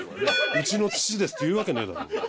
「うちの父です」って言うわけねえだろ。